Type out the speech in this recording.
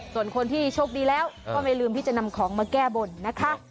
ส่วนคนที่โชคดีแล้วก็ไม่ลืมที่จะนำของมาแก้บนนะคะ